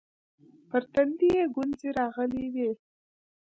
پر تندي يې گونځې راغلې وې.